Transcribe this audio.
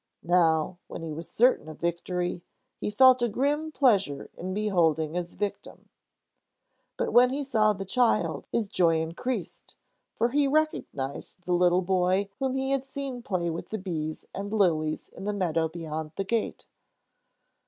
Now, when he was certain of victory, he felt a grim pleasure in beholding his victim. But when he saw the child his joy increased, for he recognized the little boy whom he had seen play with bees and lilies in the meadow beyond the city gate.